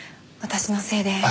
私のせいで。